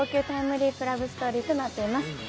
タイムリープ・ラブストーリーとなっています。